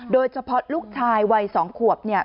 โดยเฉพาะลูกชายวัย๒ขวบเนี่ย